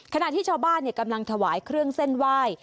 ขณะที่ชาวบ้านกำลังถวายเครื่องเส้นไหว้